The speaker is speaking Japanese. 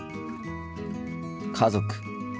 家族。